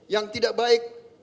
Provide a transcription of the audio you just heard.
yang tidak baik